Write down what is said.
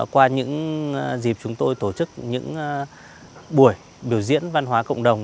qua những dịp chúng tôi tổ chức những buổi biểu diễn văn hóa cộng đồng